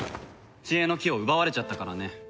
知恵の樹を奪われちゃったからね。